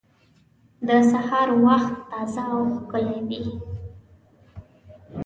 د سهار وخت تازه او ښکلی وي.